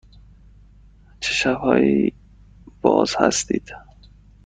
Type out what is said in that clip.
چه شب هایی باز هستید؟